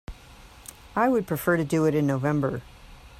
I would prefer to do it in November.